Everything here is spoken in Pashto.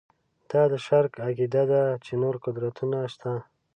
دا د شرک عقیده ده چې نور قدرتونه شته.